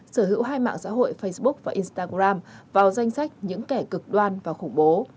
sở hữu hai mạng xã hội facebook và instagram vào danh sách những kẻ cực đoan và khủng bố